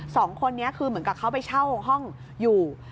สองคนนี้คือเหมือนกับเขาไปเช่าห้องอยู่